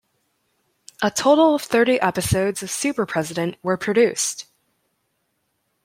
A total of thirty episodes of "Super President" were produced.